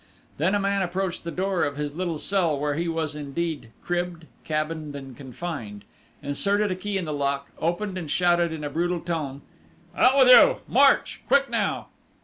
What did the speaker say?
Then a man approached the door of his little cell, where he was indeed "cribbed, cabined and confined"; inserted a key in the lock, opened, and shouted in a brutal tone: "Out with you!... March! Quick now!"